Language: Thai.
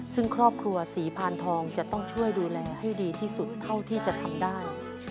ซึ่งครอบครัวศรีพานทองจะต้องช่วยดูแลให้ดีที่สุดเท่าที่จะทำได้